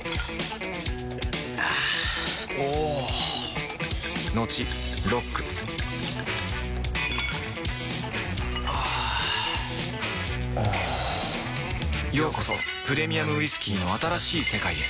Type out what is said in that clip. あぁおぉトクトクあぁおぉようこそプレミアムウイスキーの新しい世界へ